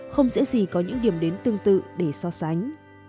không dễ gì có những điểm đến tương tự để so sánh